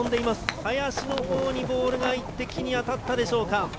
林のほうにボールが行って木に当たったでしょうか？